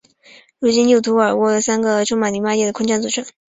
如右图耳蜗由三个内部充满淋巴液的空腔组成。